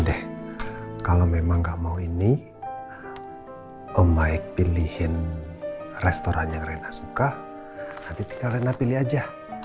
deh kalau memang gak mau ini om baik pilihin restoran yang rena suka nanti rena pilih aja